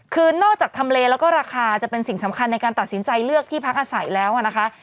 คือนอกจากทำเลแล้วก็ราคาจะเป็นสิ่งสำคัญในการตัดสินใจเลือกที่พักอาศัยแล้วนะคะ